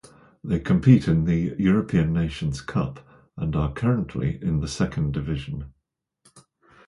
They compete in the European Nations Cup, and are currently in the second division.